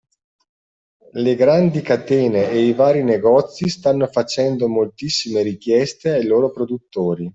Le grandi catene e i vari negozi stanno facendo moltissime richieste ai loro produttori